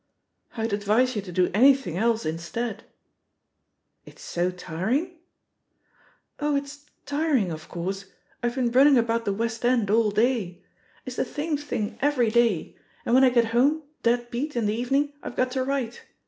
"I'd advise you to do anything else instead." "It's so tiring?" "Oh, it's tiring, of course — I've been running about the West End all day; it's the same thing it «02 THE POSITION OF PEGGY HARPER every day; and when I get home, dead beat, in the evening IVe got to write.